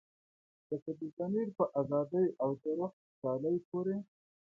لکه د ضمیر په ازادۍ او د روح په خوشحالۍ پورې.